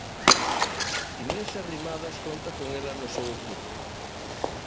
Inés Arrimadas conta con ela no seu equipo.